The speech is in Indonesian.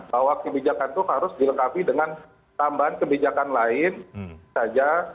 bahwa kebijakan itu harus dilengkapi dengan tambahan kebijakan lain saja